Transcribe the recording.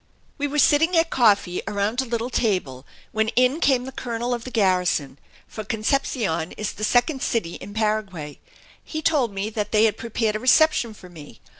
We were sitting at coffee, around a little table, when in came the colonel of the garrison for Concepcion is the second city in Paraguay. He told me that they had prepared a reception for me!